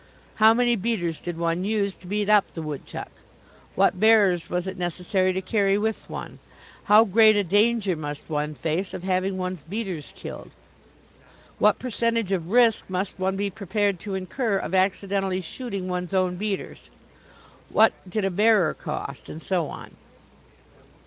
How many beaters did one use to beat up the woodchuck? What bearers was it necessary to carry with one? How great a danger must one face of having one's beaters killed? What percentage of risk must one be prepared to incur of accidentally shooting one's own beaters? What did a bearer cost? and so on.